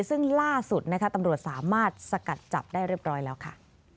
ซึ่งล่าสุดนะคะตำรวจสามารถสกัดจับได้เรียบร้อยแล้วค่ะ